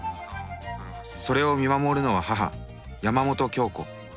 それを見守るのは母山本京子